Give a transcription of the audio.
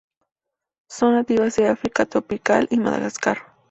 Son nativas de África tropical y Madagascar.